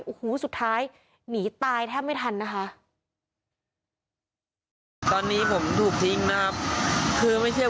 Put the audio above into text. โอ้โหสุดท้ายหนีตายแทบไม่ทันนะคะ